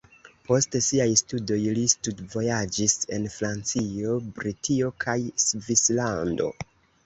Post siaj studoj li studvojaĝis en Francio, Britio kaj Svislando.